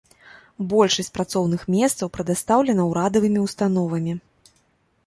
Большасць працоўных месцаў прадастаўлена ўрадавымі ўстановамі.